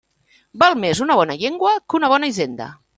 Val més una bona llengua que una bona hisenda.